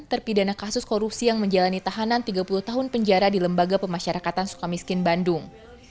terpidana kasus korupsi yang menjalani tahanan tiga puluh tahun penjara di lembaga pemasyarakatan sukamiskin bandung